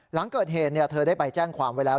หลังเกิดเหตุเธอได้ไปแจ้งความไว้แล้ว